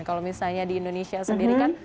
kalau misalnya di indonesia sendiri kan